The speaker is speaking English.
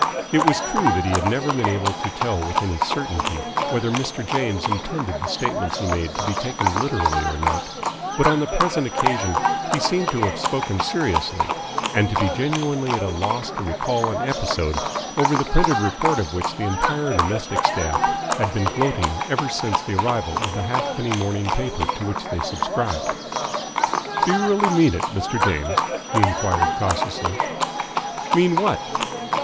It was true that he had never been able to tell with any certainty whether Mr. James intended the statements he made to be taken literally or not, but on the present occasion he seemed to have spoken seriously and to be genuinely at a loss to recall an episode over the printed report of which the entire domestic staff had been gloating ever since the arrival of the halfpenny morning paper to which they subscribed. "Do you really mean it, Mr. James?" he enquired cautiously. "Mean what?"